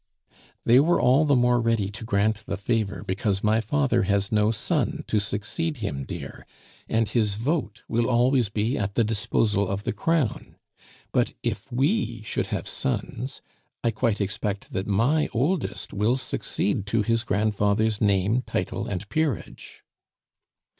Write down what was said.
"They were all the more ready to grant the favor because my father has no son to succeed him, dear, and his vote will always be at the disposal of the Crown; but if we should have sons, I quite expect that my oldest will succeed to his grandfather's name, title, and peerage."